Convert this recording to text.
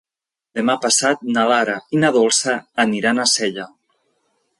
Demà passat na Lara i na Dolça aniran a Sella.